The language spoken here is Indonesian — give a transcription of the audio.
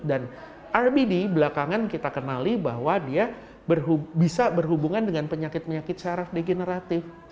dan rbd belakangan kita kenali bahwa dia bisa berhubungan dengan penyakit penyakit saraf degeneratif